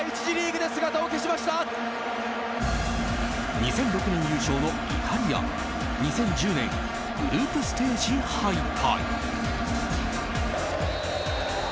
２００６年優勝のイタリア２０１０年グループステージ敗退。